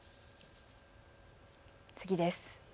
次です。